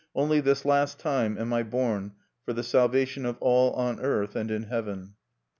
Only this last time am I born for the salvation of all on earth and in heaven.